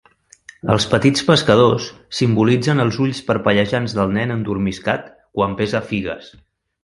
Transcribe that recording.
Els petits pescadors simbolitzen els ulls parpellejants del nen endormiscat quan pesa figues.